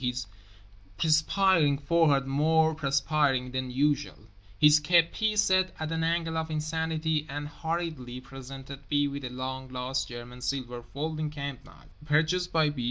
(his perspiring forehead more perspiring than usual, his kepi set at an angle of insanity) and hurriedly presented B. with a long lost German silver folding camp knife, purchased by B.